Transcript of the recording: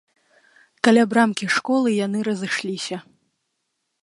Каля брамкі школы яны разышліся.